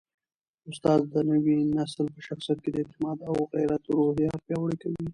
استاد د نوي نسل په شخصیت کي د اعتماد او غیرت روحیه پیاوړې کوي.